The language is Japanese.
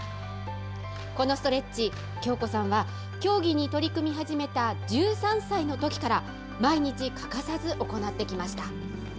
このストレッチ、京子さんは、競技に取り組み始めた１３歳のときから、毎日欠かさず行ってきました。